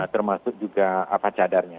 termasuk juga cadarnya